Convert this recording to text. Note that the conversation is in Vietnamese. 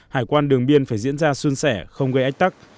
hải quan đường biên phải diễn ra xuân sẻ không gây ách tắc